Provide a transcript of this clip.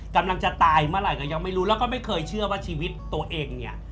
กำลังจะตายเมื่อไหร่ก็ยังไม่รู้แล้วก็ไม่เคยเชื่อว่าชีวิตตัวเองเนี่ย